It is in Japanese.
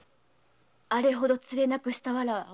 あれほどつれなくしたわらわを。